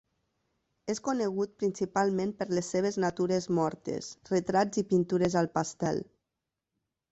És conegut principalment per les seves natures mortes, retrats i pintures al pastel.